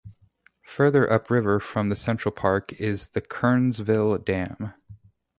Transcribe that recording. Further upriver from the central park is the Kernsville Dam.